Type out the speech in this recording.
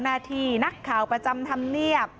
นี่ค่ะคันนี้